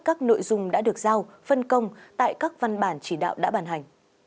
các nội dung đã được giao phân công tại các văn bản chỉ đạo đã bàn hành